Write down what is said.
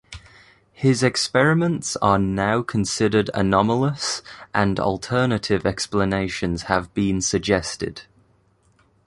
His experiments are now considered anomalous and alternative explanations have been suggested.